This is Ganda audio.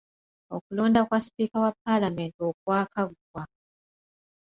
Okulonda kwa sipiika wa Paalamenti okwakaggwa.